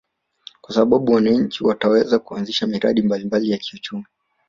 Kwa sababu wananchi wataweza kuanzisha miradi mbalimbali ya kiuchumi